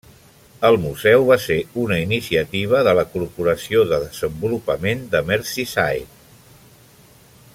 El museu va ser una iniciativa de la Corporació de Desenvolupament de Merseyside.